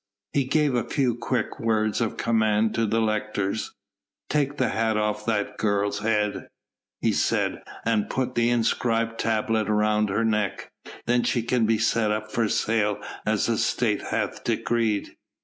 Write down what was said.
He gave a few quick words of command to the lictors. "Take the hat from off that girl's head," he said, "and put the inscribed tablet round her neck. Then she can be set up for sale as the State hath decreed."